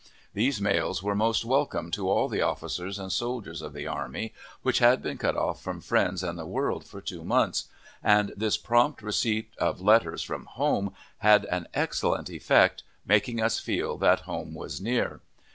These mails were most welcome to all the officers and soldiers of the army, which had been cut off from friends and the world for two months, and this prompt receipt of letters from home had an excellent effect, making us feel that home was near.